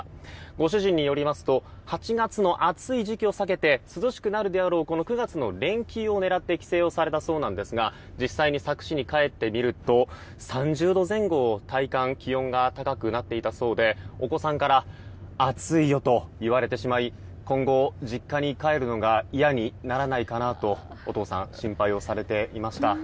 ご主人によりますと８月の暑い時期を避けて涼しくなるであろうこの９月の連休を狙って帰省されたそうなんですが実際に佐久市に帰ってみると３０度前後、体感で気温が高くなっていたそうでお子さんから暑いよと言われてしまい今後、実家に帰るのが嫌にならないかなとお父さんは心配をされていました。